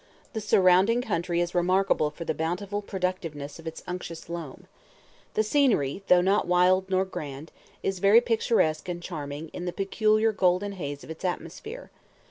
The surrounding country is remarkable for the bountiful productiveness of its unctuous loam. The scenery, though not wild nor grand, is very picturesque and charming in the peculiar golden haze of its atmosphere.